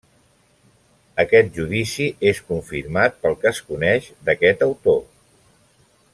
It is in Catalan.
Aquest judici és confirmat pel que es coneix d'aquest autor.